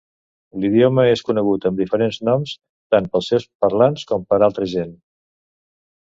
L'idioma és conegut amb diferents noms, tant pels seus parlants com per altra gent.